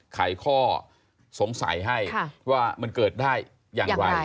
ไขข้อสงสัยให้ว่ามันเกิดได้อย่างไร